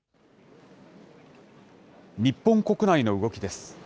日本国内の動きです。